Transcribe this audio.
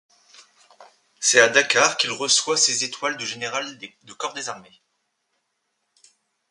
C'est à Dakar qu'il reçoit ses étoiles de général de corps d’armée.